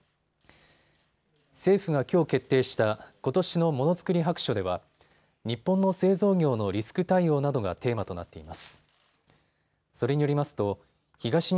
政府がきょう決定したことしのものづくり白書では日本の製造業のリスク対応などがテーマとなっています。